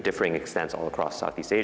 diperlukan kerja di bawah pekerjaan